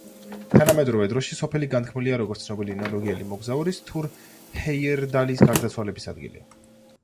თანამედროვე დროში სოფელი განთქმულია როგორც ცნობილი ნორვეგიელი მოგზაურის თურ ჰეიერდალის გარდაცვალების ადგილი.